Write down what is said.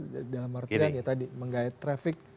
dalam artian ya tadi menggait traffic